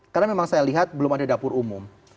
karena memang saya lihat belum ada dapur umum